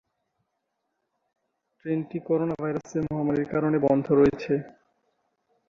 ট্রেনটি করোনাভাইরাসের মহামারীর কারণে বন্ধ রয়েছে।